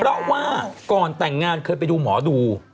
เพราะว่าก่อนแต่งงานเคยไปดูหมอดู